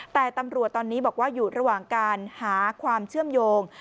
แต่ตำรวจตอนนี้บอกว่าอยู่ระหว่างการหาความเชื่อมโยง